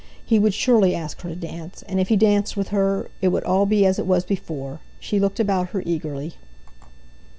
He would surely ask her to dance, and if he danced with her it would all be as it was before. She looked about her eagerly.